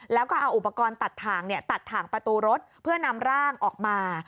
แล้วก็เอาอุปกรณ์ตัดถ่างตัดถ่างประตูรถเพื่อนำร่างออกมา